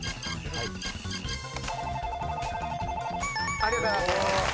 ありがとうございます。